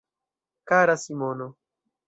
Kara Simono.